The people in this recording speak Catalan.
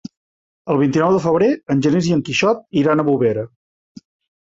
El vint-i-nou de febrer en Genís i en Quixot iran a Bovera.